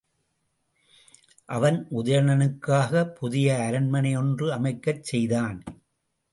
அவன் உதயணனுக்காகப் புதிய அரண்மனை யொன்று அமைக்கச் செய்தான்.